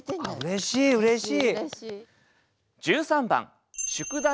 うれしいうれしい。